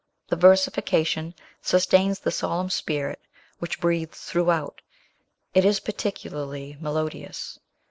The versification sustains the solemn spirit which breathes throughout; it is peculiarly melodious.